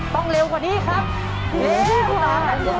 ต้องเร็วกว่านี้ครับเร็วตามจำนวนนะครับ